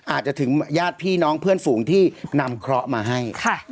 อาจจะถึงญาติพี่น้องเพื่อนฝูงที่นำเคราะห์มาให้